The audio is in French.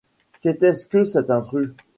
Qu’était-ce que cet intrus?